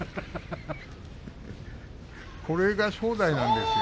これが正代なんですよ。